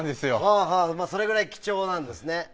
それぐらい貴重なんですね。